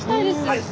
はい。